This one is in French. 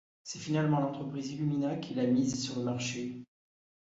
C'est finalement l'entreprise Illumina qui l'a mise sur le marché.